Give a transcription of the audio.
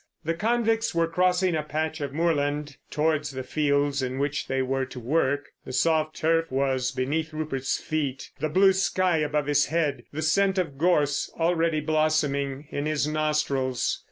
The convicts were crossing a patch of moorland towards the fields in which they were to work; the soft turf was beneath Rupert's feet, the blue sky above his head, the scent of gorse, already blossoming, in his nostrils.